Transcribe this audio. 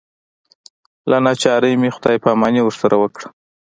له ناچارۍ مې خدای پاماني ورسره وکړه.